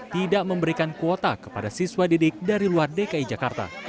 tidak memberikan kuota kepada siswa didik dari luar dki jakarta